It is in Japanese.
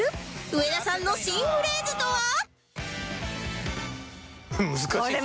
上田さんの新フレーズとは？